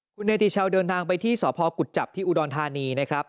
คุณเนติชาวเดินทางไปที่สพกุจจับที่อุดรธานีนะครับ